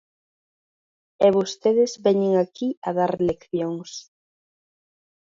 E vostedes veñen aquí a dar leccións.